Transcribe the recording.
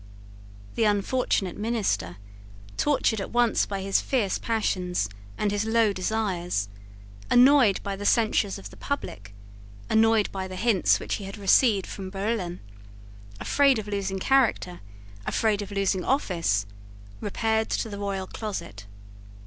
The unfortunate minister, tortured at once by his fierce passions and his low desires, annoyed by the censures of the public, annoyed by the hints which he had received from Barillon, afraid of losing character, afraid of losing office, repaired to the royal closet.